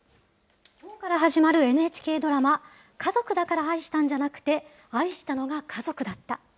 きょうから始まるＮＨＫドラマ、家族だから愛したんじゃなくて、愛したのが家族だった。